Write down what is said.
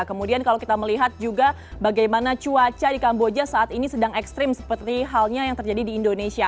kemudian kalau kita melihat juga bagaimana cuaca di kamboja saat ini sedang ekstrim seperti halnya yang terjadi di indonesia